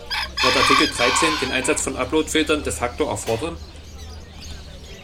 Wird Artikel Dreizehn den Einsatz von Upload-Filtern de facto erfordern?